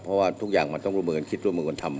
เพราะว่าทุกอย่างมันต้องร่วมมือกันคิดร่วมมือกันทำ